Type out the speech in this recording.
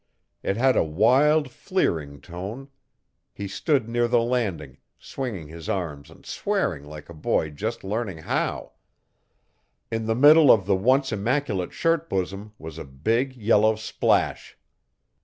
It had a wild, fleeting tone. He stood near the landing, swinging his arms and swearing like a boy just learning how. In the middle of the once immaculate shirt bosom was a big, yellow splash.